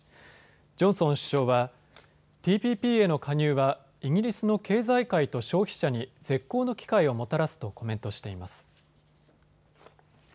ジョンソン首相はＴＰＰへの加入はイギリスの経済界と消費者に絶好の機会をもたらすとコメントしています。